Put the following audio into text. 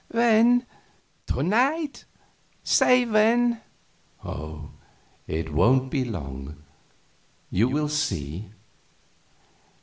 "When? To night? Say when." "It won't be long. You will see."